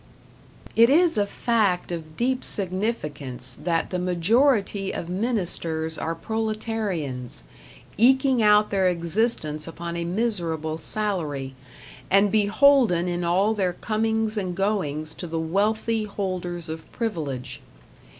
It is a fact of deep significance that the majority of ministers are proletarians, eking out their existence upon a miserable salary, and beholden in all their comings and goings to the wealthy holders of privilege.